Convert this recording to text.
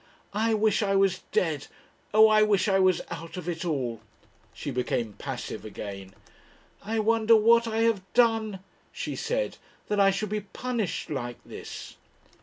"I wish I was dead. Oh! I wish I was out of it all." She became passive again. "I wonder what I have done," she said, "that I should be punished like this."